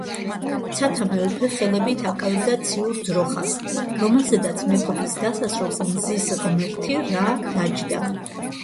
ცათა მეუფე ხელებით აკავებდა ციურ ძროხას, რომელზედაც მეფობის დასარულს მზის ღმერთი რა დაჯდა.